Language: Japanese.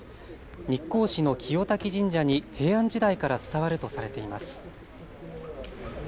日光市の清滝神社に平安時代から伝わるとされています。